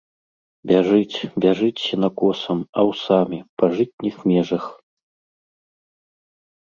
Бяжыць, бяжыць сенакосам, аўсамі, па жытніх межах.